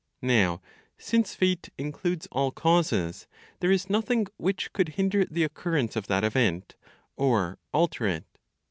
Now since Fate includes all causes, there is nothing which could hinder the occurrence of that event, or alter it.